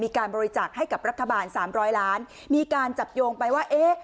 มีการบริจาคให้กับรัฐบาลสามร้อยล้านมีการจับโยงไปว่าเอ๊ะ